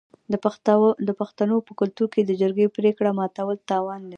د پښتنو په کلتور کې د جرګې پریکړه ماتول تاوان لري.